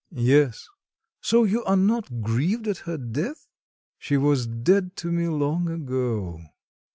"Yes." "So you are not grieved at her death?" "She was dead to me long ago."